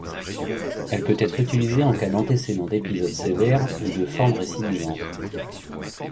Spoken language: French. Elle peut être utilisé en cas d'antécédent d'épisode sévère ou de forme récidivante.